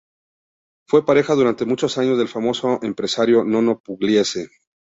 Fue pareja durante muchos años del famoso empresario Nono Pugliese.